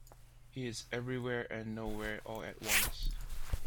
He is everywhere and nowhere all at once.